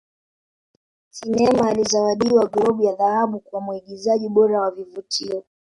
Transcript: Sinema ilizawadiwa Globu ya Dhahabu Kwa Muigizaji Bora wa Vivutio